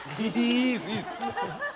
いいです、いいです。